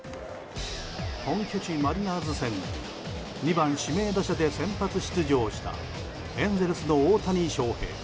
本拠地、マリナーズ戦で２番、指名打者で先発出場したエントランスの大谷翔平。